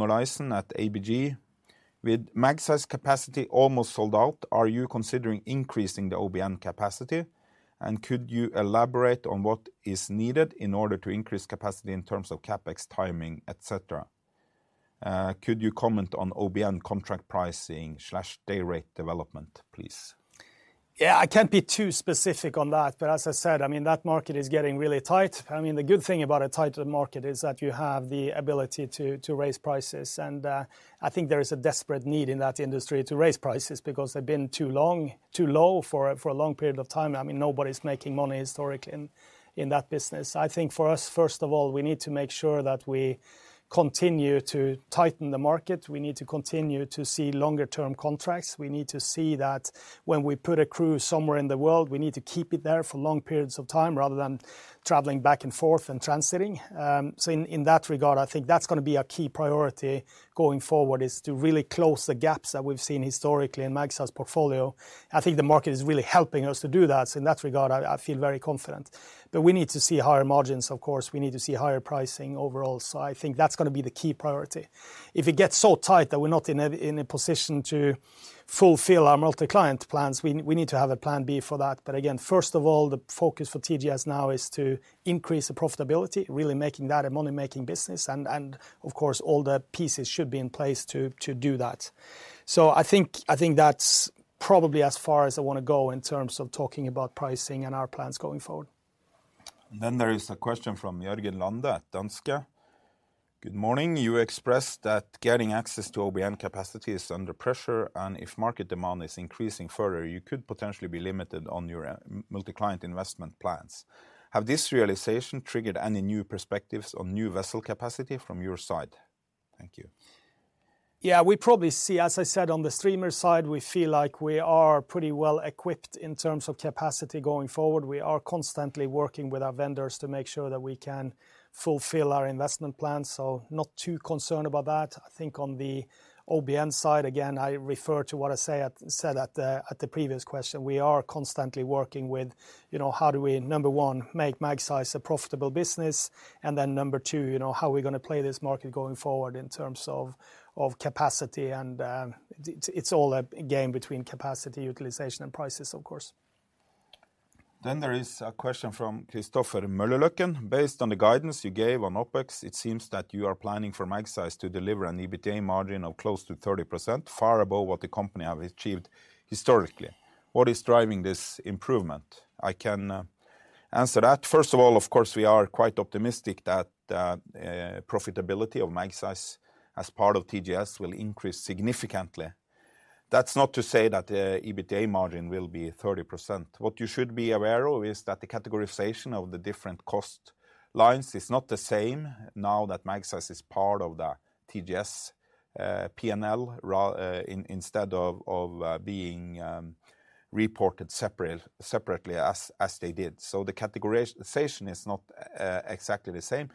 Lison at ABG: With Magseis capacity almost sold out, are you considering increasing the OBN capacity? Could you elaborate on what is needed in order to increase capacity in terms of CapEx timing, et cetera? Could you comment on OBN contract pricing/day rate development, please? Yeah, I can't be too specific on that, but as I said, I mean, that market is getting really tight. I mean, the good thing about a tighter market is that you have the ability to raise prices. I think there is a desperate need in that industry to raise prices because they've been too long too low for a long period of time. I mean, nobody's making money historically in that business. I think for us, first of all, we need to make sure that we continue to tighten the market. We need to continue to see longer term contracts. We need to see that when we put a crew somewhere in the world, we need to keep it there for long periods of time rather than traveling back and forth and transiting. So in that regard, I think that's gonna be a key priority going forward, is to really close the gaps that we've seen historically in Magseis portfolio. I think the market is really helping us to do that. In that regard, I feel very confident. We need to see higher margins, of course, we need to see higher pricing overall. I think that's gonna be the key priority. If it gets so tight that we're not in a, in a position to fulfill our multi-client plans, we need to have a plan B for that. Again, first of all, the focus for TGS now is to increase the profitability, really making that a money-making business, and of course, all the pieces should be in place to do that. I think that's probably as far as I wanna go in terms of talking about pricing and our plans going forward. There is a question from Jørgen Lunde at Danske. Good morning. You expressed that getting access to OBN capacity is under pressure, and if market demand is increasing further, you could potentially be limited on your multi-client investment plans. Have this realization triggered any new perspectives on new vessel capacity from your side? Thank you. Yeah. We probably see, as I said, on the streamer side, we feel like we are pretty well equipped in terms of capacity going forward. We are constantly working with our vendors to make sure that we can fulfill our investment plans, not too concerned about that. I think on the OBN side, again, I refer to what I said at the previous question. We are constantly working with, you know, how do we, number one, make Magseis a profitable business, and then number two, you know, how we're gonna play this market going forward in terms of capacity. It's all a game between capacity utilization and prices, of course. There is a question from Christopher Møllerløkken. Based on the guidance you gave on OpEx, it seems that you are planning for Magseis to deliver an EBITDA margin of close to 30%, far above what the company have achieved historically. What is driving this improvement? I can answer that. First of all, of course, we are quite optimistic that profitability of Magseis as part of TGS will increase significantly. That's not to say that EBITDA margin will be 30%. What you should be aware of is that the categorization of the different cost lines is not the same now that Magseis is part of the TGS P&L instead of being reported separately as they did. The categorization is not exactly the same,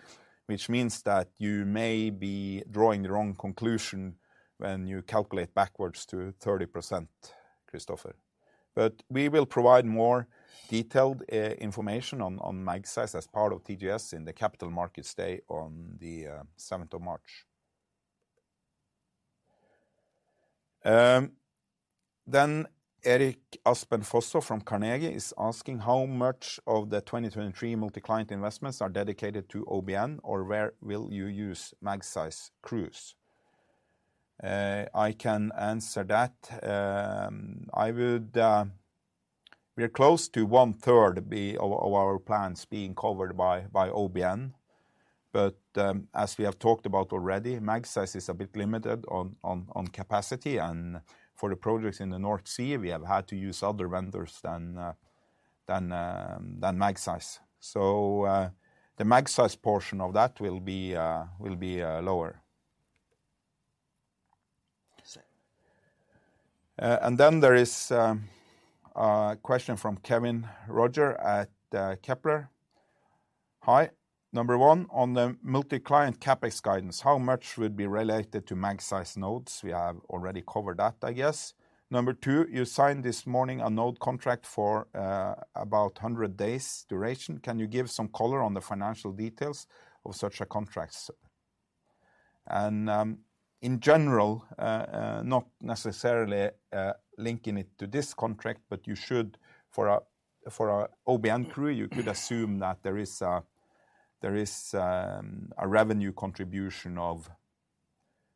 which means that you may be drawing the wrong conclusion when you calculate backwards to 30%, Kristoffer. We will provide more detailed information on Magseis as part of TGS in the Capital Markets Day on the 7th of March. Erik Aspen Fosså from Carnegie is asking, how much of the 2023 multi-client investments are dedicated to OBN, or where will you use Magseis crews? I can answer that. We are close to one-third of our plans being covered by OBN. As we have talked about already, Magseis is a bit limited on capacity, and for the projects in the North Sea, we have had to use other vendors than Magseis. The Magseis portion of that will be lower. There is a question from Kevin Roger at Kepler. Hi. Number one, on the multi-client CapEx guidance, how much would be related to Magseis nodes? We have already covered that, I guess. Number two, you signed this morning a node contract for about 100 days duration. Can you give some color on the financial details of such a contract? In general, not necessarily linking it to this contract, but you should for a OBN crew, you could assume that there is a revenue contribution of,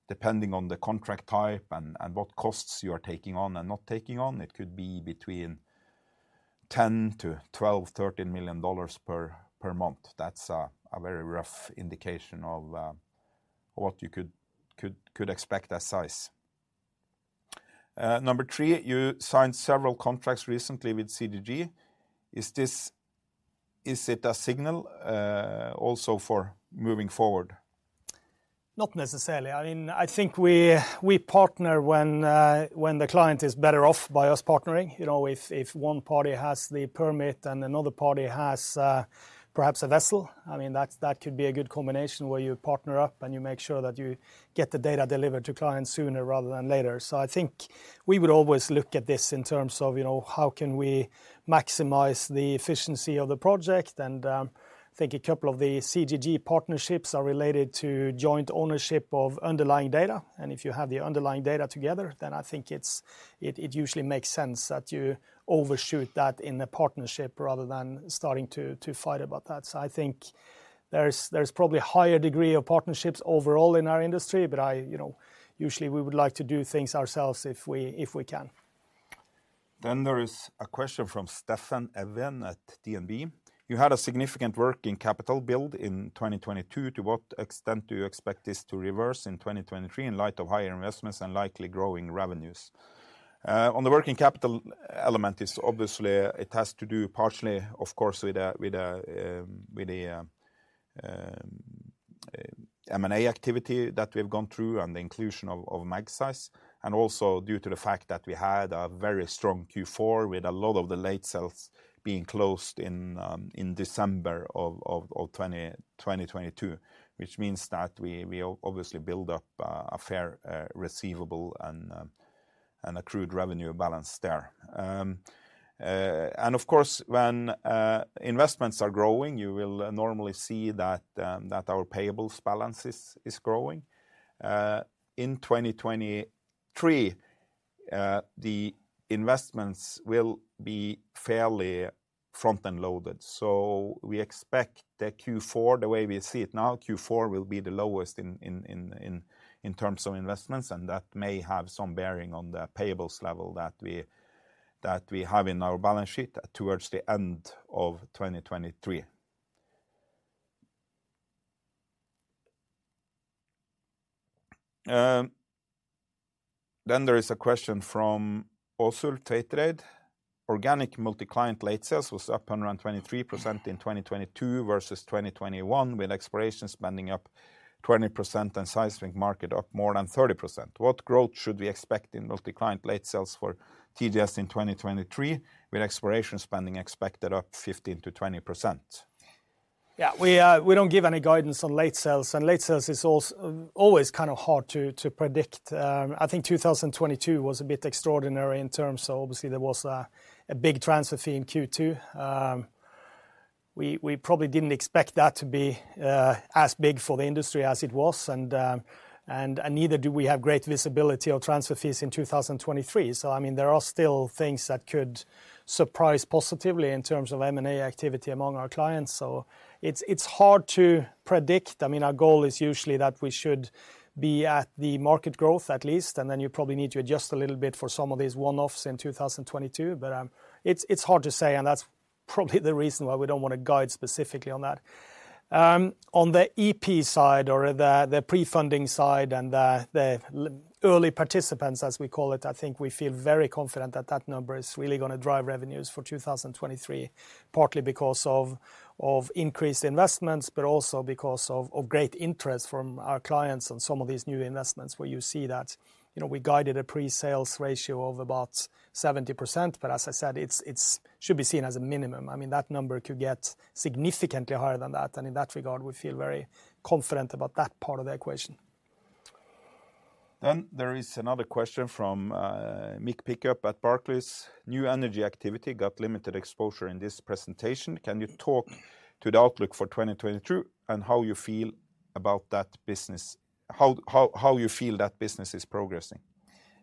depending on the contract type and what costs you are taking on and not taking on, it could be between $10 million-$12 million, $13 million per month. That's a very rough indication of what you could expect that size. Number three, you signed several contracts recently with CGG. Is it a signal also for moving forward? Not necessarily. I mean, I think we partner when the client is better off by us partnering. You know, if one party has the permit and another party has perhaps a vessel, I mean, that could be a good combination where you partner up and you make sure that you get the data delivered to clients sooner rather than later. I think we would always look at this in terms of, you know, how can we maximize the efficiency of the project, and I think a couple of the CGG partnerships are related to joint ownership of underlying data. If you have the underlying data together, then I think it usually makes sense that you overshoot that in a partnership rather than starting to fight about that. I think there is probably a higher degree of partnerships overall in our industry, but I, you know, usually we would like to do things ourselves if we can. There is a question from Steffen Evjen at DNB. You had a significant working capital build in 2022. To what extent do you expect this to reverse in 2023 in light of higher investments and likely growing revenues? On the working capital element is obviously it has to do partially, of course, with the M&A activity that we've gone through and the inclusion of Magseis, and also due to the fact that we had a very strong Q4 with a lot of the late sales being closed in December of 2022, which means that we obviously build up a fair receivable and accrued revenue balance there. Of course, when investments are growing, you will normally see that our payables balance is growing. In 2023, the investments will be fairly front-end loaded. We expect that Q4, the way we see it now, Q4 will be the lowest in terms of investments, and that may have some bearing on the payables level that we have in our balance sheet towards the end of 2023. There is a question from Osul Tetrade. Organic multi-client late sales was up around 23% in 2022 versus 2021, with exploration spending up 20% and Seismithink market up more than 30%. What growth should we expect in multi-client late sales for TGS in 2023, with exploration spending expected up 15%-20%? Yeah, we don't give any guidance on late sales, and late sales is always kind of hard to predict. I think 2022 was a bit extraordinary in terms of obviously there was a big transfer fee in Q2. We probably didn't expect that to be as big for the industry as it was. Neither do we have great visibility of transfer fees in 2023. I mean, there are still things that could surprise positively in terms of M&A activity among our clients. It's hard to predict. I mean, our goal is usually that we should be at the market growth at least, and then you probably need to adjust a little bit for some of these one-offs in 2022. it's hard to say, and that's probably the reason why we don't wanna guide specifically on that. On the EP side or the pre-funding side and the early participants, as we call it, I think we feel very confident that that number is really gonna drive revenues for 2023, partly because of increased investments, also because of great interest from our clients on some of these new investments where you see that, you know, we guided a pre-sales ratio of about 70%. As I said, it's should be seen as a minimum. I mean, that number could get significantly higher than that. In that regard, we feel very confident about that part of the equation. There is another question from Mick Pickup at Barclays. New energy activity got limited exposure in this presentation. Can you talk to the outlook for 2022 and how you feel about that business? How you feel that business is progressing?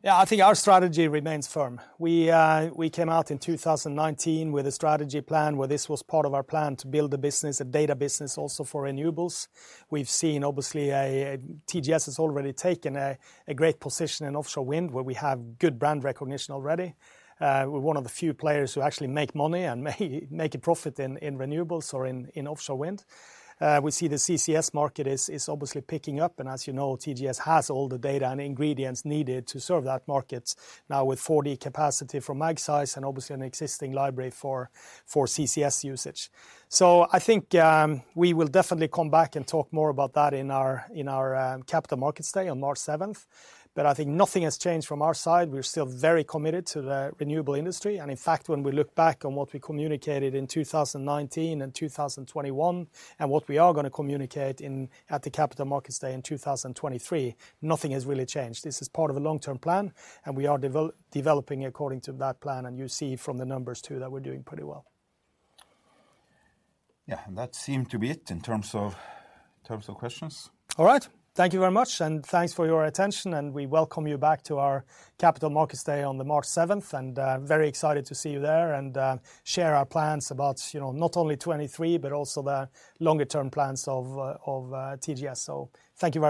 I think our strategy remains firm. We came out in 2019 with a strategy plan where this was part of our plan to build a business, a data business also for renewables. We've seen obviously TGS has already taken a great position in offshore wind, where we have good brand recognition already. We're one of the few players who actually make money and make a profit in renewables or in offshore wind. We see the CCS market is obviously picking up, as you know, TGS has all the data and ingredients needed to serve that market now with 4D capacity from Magseis and obviously an existing library for CCS usage. I think we will definitely come back and talk more about that in our Capital Markets Day on March seventh. I think nothing has changed from our side. We're still very committed to the renewable industry, and in fact, when we look back on what we communicated in 2019 and 2021 and what we are gonna communicate at the Capital Markets Day in 2023, nothing has really changed. This is part of a long-term plan, and we are developing according to that plan, and you see from the numbers too that we're doing pretty well. Yeah. That seemed to be it in terms of questions. All right. Thank you very much and thanks for your attention, and we welcome you back to our Capital Markets Day on March 7th, and very excited to see you there and share our plans about, you know, not only 23 but also the longer term plans of TGS. Thank you very much